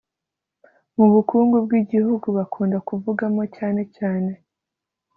Mu bukungu bw’igihugu, bakunda kuvugamo cyanecyane